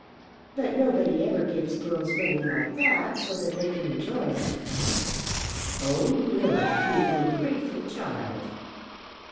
But nobody ever gives girls money like that, so that they can enjoy it." "Oh, Lily; you ungrateful child!"